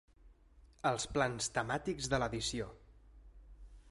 Els plans temàtics de l'edició.